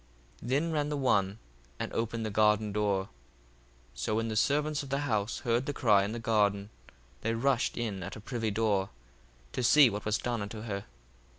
1:25 Then ran the one, and opened the garden door. 1:26 So when the servants of the house heard the cry in the garden, they rushed in at the privy door, to see what was done unto her.